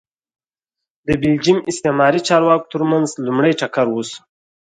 د بلجیم استعماري چارواکو ترمنځ لومړی ټکر وشو